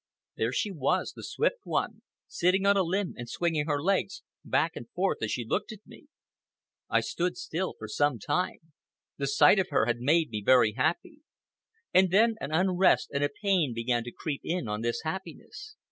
There she was, the Swift One, sitting on a limb and swinging her legs back and forth as she looked at me. I stood still for some time. The sight of her had made me very happy. And then an unrest and a pain began to creep in on this happiness.